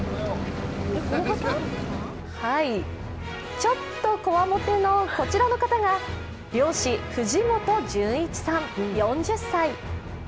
ちょっとこわもてのこちらの方が漁師・藤本純一さん４０歳。